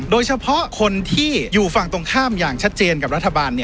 โดยเฉพาะคนที่อยู่ฝั่งตรงข้ามอย่างชัดเจนกับรัฐบาล